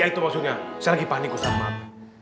ya itu maksudnya saya lagi panik ustadz map